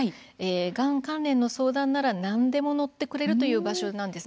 がん関連の相談ならなんでも乗ってくれるという場所なんです。